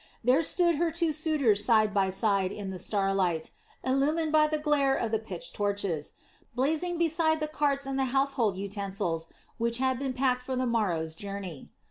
There stood her two suitors side by side in the starlight, illumined by the glare of the pitch torches blazing beside the carts and household utensils which had been packed for the morrow's journey.